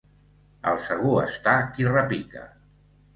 Al segur està qui repica.